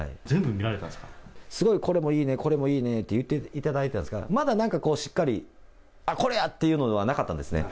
すごい、これもいいね、これもいいねって言っていただいたんですが、まだなんかこう、しっかり、あっ、これやっていうのはなかったんですね。